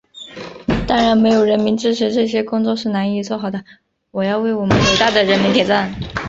当然，没有人民支持，这些工作是难以做好的，我要为我们伟大的人民点赞。